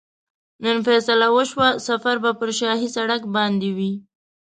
نن فیصله وشوه سفر به پر شاهي سړک باندې وي.